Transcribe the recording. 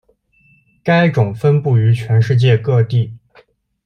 该种分布于全世界各地。